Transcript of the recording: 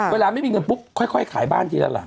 เวลาไม่มีเงินปุ๊บค่อยขายบ้านทีละหลัง